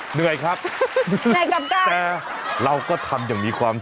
เหนื่อยครับแต่เราก็ทำอย่างมีความสุข